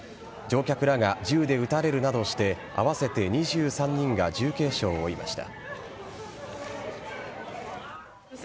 乗客らが銃で撃たれるなどして合わせて２３人が重軽傷を負いました。